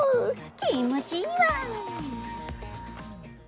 気持ちいいわん。